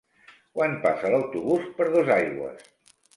Quan passa l'autobús per Dosaigües?